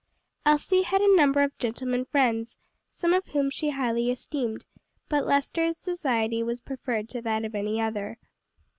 Elsie had a number of gentlemen friends, some of whom she highly esteemed, but Lester's society was preferred to that of any other.